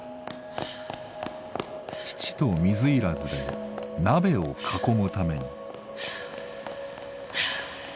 父と水入らずで鍋を囲むために。